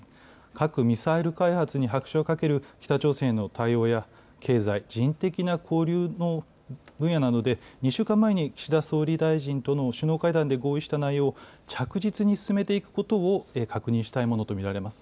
核・ミサイル開発に拍車をかける北朝鮮への対応や、経済、人的な交流の分野などで、２週間前に岸田総理大臣との首脳会談で合意した内容を、着実に進めていくことを確認したいものと見られます。